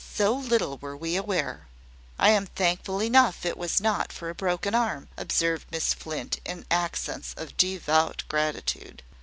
So little were we aware!" "I am thankful enough it was not for a broken arm," observed Miss Flint, in accents of devout gratitude.